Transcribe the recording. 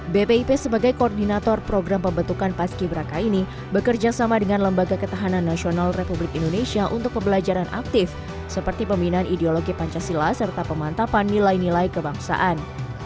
bpip sebagai koordinator program pembentukan paski beraka ini bekerja sama dengan lembaga ketahanan nasional republik indonesia untuk pembelajaran aktif seperti pembinaan ideologi pancasila serta pemantapan nilai nilai kebangsaan